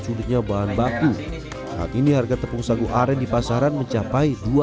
sudutnya bahan baku saat ini harga tepung sagu aren di pasaran mencapai dua puluh empat ribu rupiah per kilogram